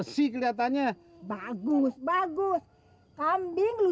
sih kelihatannya bagus bagus kambing